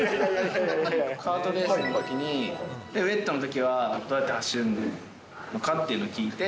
カートレースのときに、ウエットのときは、どうやって走るのかっていうのを聞いて。